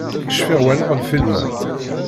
Cfiɣ walaɣ lfilm-a